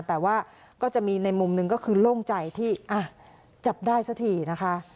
แต่ว่าก็จะมีในมุมหนึ่งก็คือโล่งใจที่จับได้สักทีนะคะ